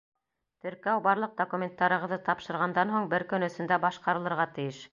Теркәү барлыҡ документтарығыҙҙы тапшырғандан һуң бер көн эсендә башҡарылырға тейеш.